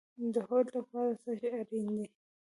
د هوډ لپاره څه شی اړین دی؟